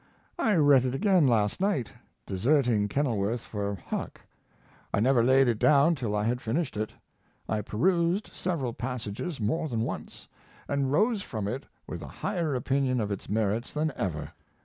I read it again last night, deserting Kenilworth for Huck. I never laid it down till I had finished it. I perused several passages more than once, and rose from it with a higher opinion of its merits than ever.